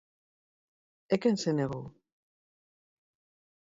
¿E quen se negou?